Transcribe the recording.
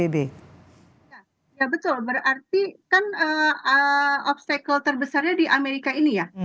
ya betul berarti kan obstacle terbesarnya di amerika ini ya